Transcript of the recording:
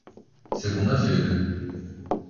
Segunda-feira.